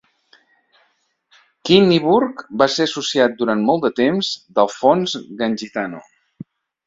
Kinniburgh va ser associat durant molt de temps d'Alphonse Gangitano.